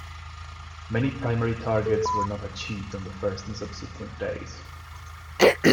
Many primary targets were not achieved on the first and subsequent days.